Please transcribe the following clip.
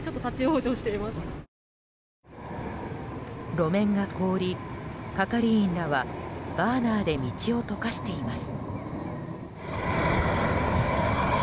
路面が凍り、係員らはバーナーで道を解かしています。